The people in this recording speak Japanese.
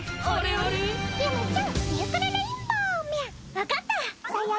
わかった！